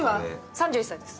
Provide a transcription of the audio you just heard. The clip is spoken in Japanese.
３１歳です。